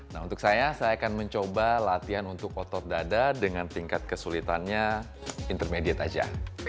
nah untuk saya saya akan mencoba latihan untuk otot dada dengan tingkat kesulitannya intermediate aja